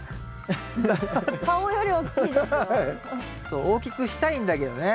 そう大きくしたいんだけどね。